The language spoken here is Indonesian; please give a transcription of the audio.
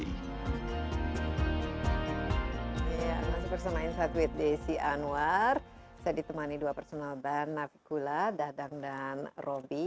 iya masih bersama insight with psi anwar saya ditemani dua personal band nafi kula dadang dan robby